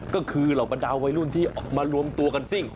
ก็คือเหล่าบรรดาวัยรุ่นที่ออกมารวมตัวกันซิ่ง